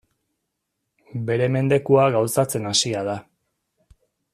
Bere mendekua gauzatzen hasia da.